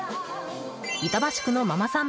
板橋区のママさん